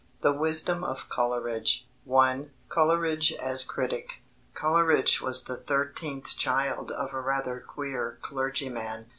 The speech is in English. THE WISDOM OF COLERIDGE (1) COLERIDGE AS CRITIC Coleridge was the thirteenth child of a rather queer clergyman.